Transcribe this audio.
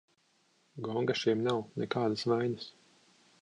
Gonga šiem nav, nekādas vainas.